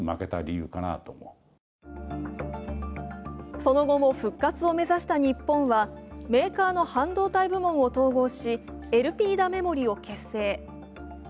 その後も復活を目指した日本はメーカーの半導体部門を統合しエルピーダメモリを結成。